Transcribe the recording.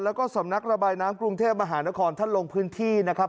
แล้วก็สำนักระบายน้ำกรุงเทพมหานครท่านลงพื้นที่นะครับ